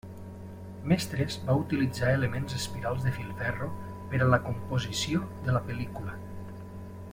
Mestres va utilitzar elements espirals de filferro per a la composició de la pel·lícula.